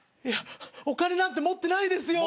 お金なんて持ってないですよ。